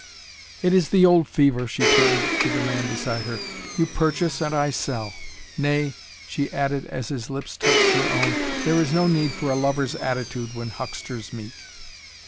"It is the old fever," she turned to the man beside her. "You purchase and I sell! Nay" she added as his lips touched her own "there is no need for a lover's attitude when hucksters meet."